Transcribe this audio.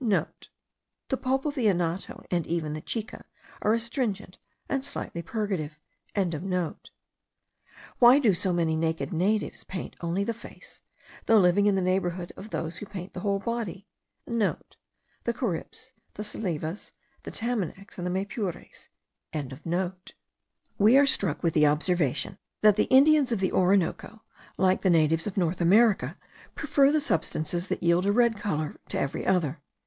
(* The pulp of the anato, and even the chica, are astringent and slightly purgative.) Why do so many naked natives paint only the face, though living in the neighbourhood of those who paint the whole body?* (* The Caribs, the Salives, the Tamanacs, and the Maypures.) We are struck with the observation, that the Indians of the Orinoco, like the natives of North America, prefer the substances that yield a red colour to every other.